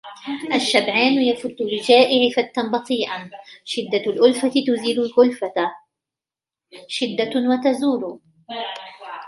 الشبعان يفُتُّ للجائع فتا بطيئا شدة الألفة تزيل الكلفة شدة وتزول